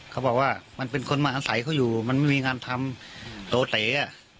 เขาบอกว่ามันเป็นคนมาอาศัยเขาอยู่มันไม่มีงานทำโตเต๋